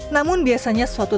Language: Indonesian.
namun biasanya suatu